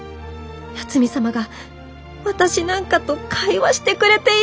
八海サマが私なんかと会話してくれている！